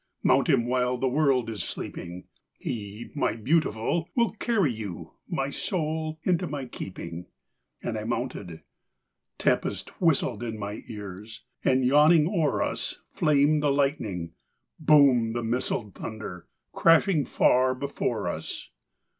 Mount him while the world is sleeping: He, my beautiful, will carry You, my Soul, into my keeping." And I mounted: tempest whistled In my ears, and, yawning o'er us, Flamed the lightning; boomed the missiled Thunder, crashing far before us.